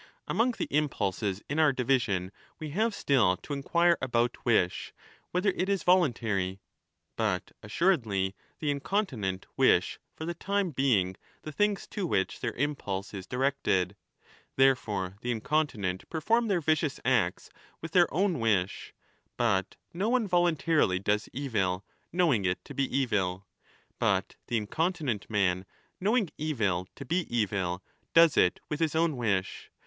Among the impulses in our division we have still to inquire about wish, whether it is voluntary. But assuredly the incontinent wish for the time being the things to which their impulse is directed. Therefore the incontinent perform their vicious acts with their own wish. But no one 30 voluntarily does evil, knowing it to be evil. But the in continent man, knowing evil to be evil, does it with his own wish.